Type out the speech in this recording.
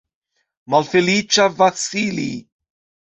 Malfeliĉa Vasili!